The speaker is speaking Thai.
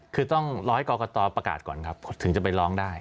คือต้องรอให้กรกตประกาศก่อนครับถึงจะไปร้องได้